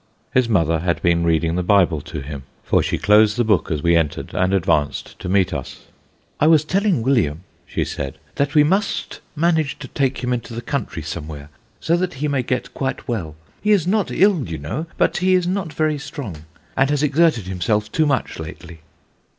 His mother had been reading the Bible to him, for she closed the book as we entered, and advanced to meet us. " I was telling William," she said, " that we must manage to take him into the country somewhere, so that he may get quite well. He is not ill, you know, but he is not very strong, and has exerted himself too much lately."